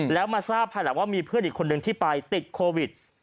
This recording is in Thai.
แล้วมาทราบภายหลังว่ามีเพื่อนอีกคนนึงที่ไปติดโควิด